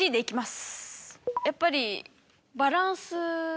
やっぱり。